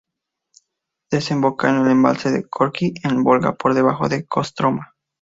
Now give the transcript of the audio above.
Desemboca en el embalse de Gorki, en el Volga, por debajo de Kostromá.